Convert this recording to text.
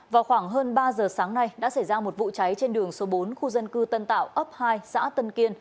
vào khoảng hơn ba giờ sáng nay đã xảy ra một vụ cháy trên đường số bốn khu dân cư tân tạo ấp hai xã tân kiên